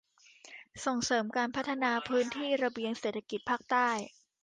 ส่งเสริมการพัฒนาพื้นที่ระเบียงเศรษฐกิจภาคใต้